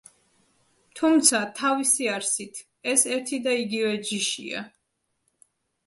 თუმცა, თავისი არსით, ეს ერთი და იგივე ჯიშია.